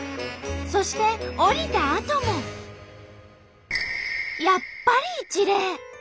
そして降りたあともやっぱり一礼。